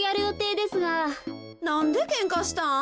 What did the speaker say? なんでけんかしたん？